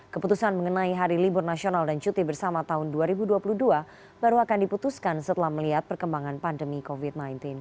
keputusan mengenai hari libur nasional dan cuti bersama tahun dua ribu dua puluh dua baru akan diputuskan setelah melihat perkembangan pandemi covid sembilan belas